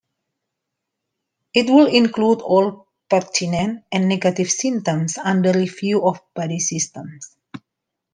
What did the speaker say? It will include all pertinent and negative symptoms under review of body systems.